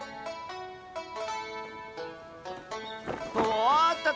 おっとっ